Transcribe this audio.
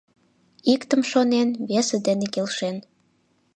Иктым шонен, весе дене келшен